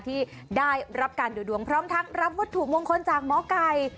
ที่ได้รับการดูดวงพร้อมทั้งรับวัตถุมงคลจากหมอไก่